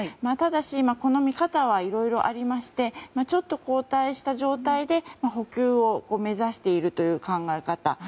ただし、この見方はいろいろありましてちょっと後退した状態で補給を目指しているという考え方。